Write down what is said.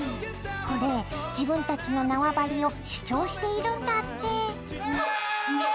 これ自分たちの縄張りを主張しているんだって。